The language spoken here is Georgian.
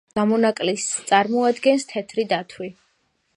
გამონაკლის წარმოადგენს თეთრი დათვი.